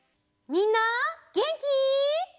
みんなげんき？